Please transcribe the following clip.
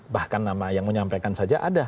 bahkan nama yang menyampaikan saja ada